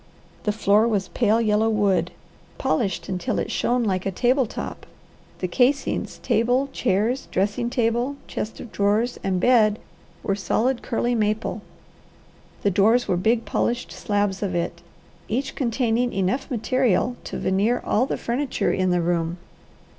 The floor was pale yellow wood, polished until it shone like a table top. The casings, table, chairs, dressing table, chest of drawers, and bed were solid curly maple. The doors were big polished slabs of it, each containing enough material to veneer all the furniture in the room.